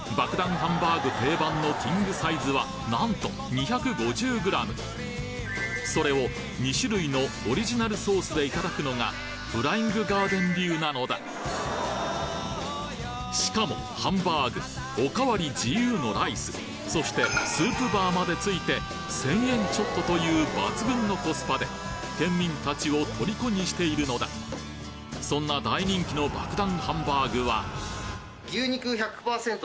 ハンバーグ定番のキングサイズはなんとそれを２種類のオリジナルソースでいただくのがフライングガーデン流なのだしかもハンバーグおかわり自由のライスそしてスープバーまでついて１，０００円ちょっとという抜群のコスパで県民たちを虜にしているのだそんな大人気の爆弾